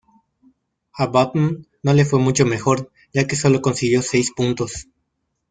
A Button no le fue mucho mejor, ya que sólo consiguió seis puntos.